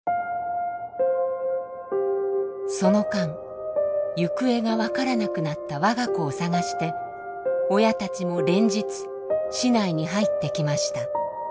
その間行方が分からなくなった我が子を捜して親たちも連日市内に入ってきました。